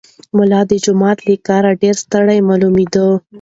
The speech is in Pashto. ملا د جومات له کاره ډېر ستړی معلومېده.